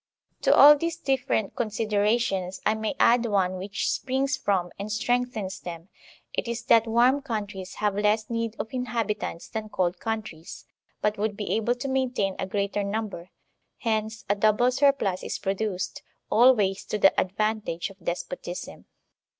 To all these different considerations I may add one which springs from, and strengthens, them; it is that 74 THE SOCIAL CONTRACT warm countries have less need of inhabitants than cold countries, but would be able to maintain a greater num ber; hence a double surplus is produced, always to the advantage of despotism.